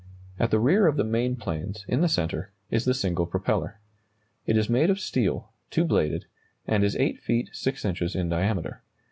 At the rear of the main planes, in the centre, is the single propeller. It is made of steel, two bladed, and is 8 feet 6 inches in diameter.